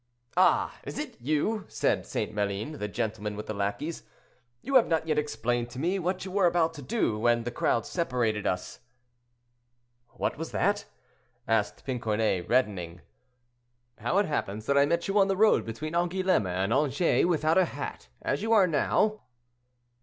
"Ah! is it you?" said St. Maline, the gentleman with the lackeys, "you have not yet explained to me what you were about to do, when the crowd separated us." "What was that?" asked Pincornay, reddening. "How it happens that I met you on the road between Angoulême and Angers without a hat, as you are now?"